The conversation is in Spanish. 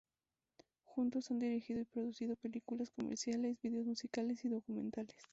Juntos han dirigido y producido películas, comerciales, vídeos musicales y documentales.